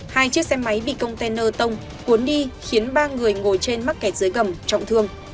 hai chiếc xe máy bị container tông cuốn đi khiến ba người ngồi trên mắc kẹt dưới gầm trọng thương